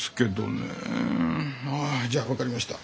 ああじゃあ分かりました。